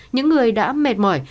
những người đã mệt mỏi